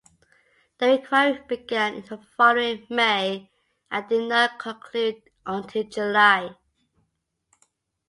The inquiry began in the following May and did not conclude until July.